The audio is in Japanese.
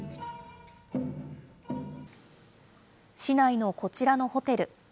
市内のこちらのホテル。